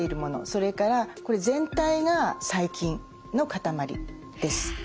それからこれ全体が細菌の塊です。